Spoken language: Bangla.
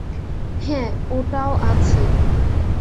হ্যাঁ, ওটাও আছে।